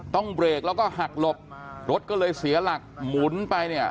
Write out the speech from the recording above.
ต้องเบรกแล้วก็หักหลบรถก็เลยเสียหลักหมุนไปเนี่ย